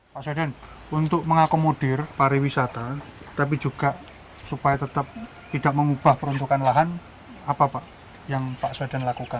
pak swedan untuk mengakomodir pariwisata tapi juga supaya tetap tidak mengubah peruntukan lahan apa pak yang pak swedan lakukan